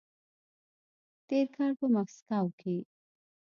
تېر کال په مسکو کې